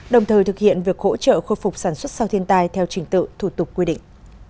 đồng thời thực hiện việc hỗ trợ khôi phục sản xuất sau thiên tai theo trình tự thủ tục quy định